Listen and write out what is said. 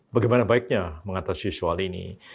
bagaimana baiknya mengatasi soal ini